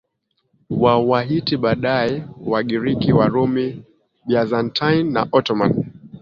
wa Wahiti Baadaye Wagiriki Warumi Byzantine na Ottoman